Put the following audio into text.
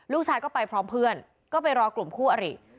ลูกชายก็ไปพร้อมเพื่อนก็ไปรอกลุ่มคู่อริ